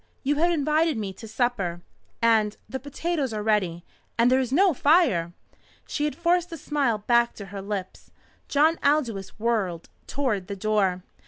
You have invited me to supper. And the potatoes are ready, and there is no fire!" She had forced a smile back to her lips. John Aldous whirled toward the door.